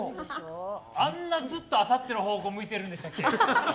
あんなずっと、あさっての方向向いてるんでしたっけ？